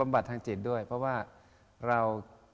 บัดทางจิตด้วยเพราะว่าเรา